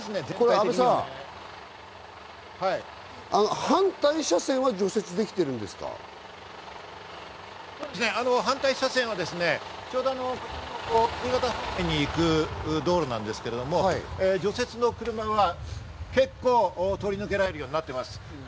阿部さん、反対車線は除雪で反対車線は新潟に行く道路なんですけれども、除雪の車は結構通り抜けられるようになっています。